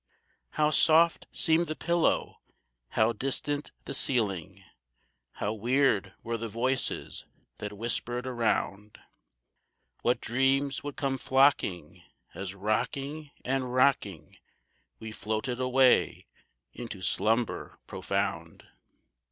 How soft seemed the pillow, how distant the ceiling, How weird were the voices that whispered around, What dreams would come flocking, as rocking and rocking, We floated away into slumber profound.